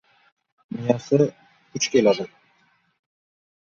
Miyasi puch keladi!..